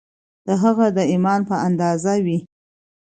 د هغه د ایمان په اندازه وي